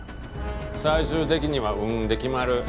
最終的には運で決まる。